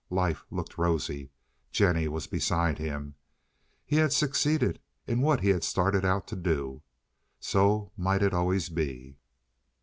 Life looked rosy. Jennie was beside him. He had succeeded in what he had started out to do. So might it always be.